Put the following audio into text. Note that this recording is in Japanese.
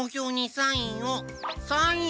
サインを！